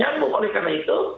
nyambung oleh karena itu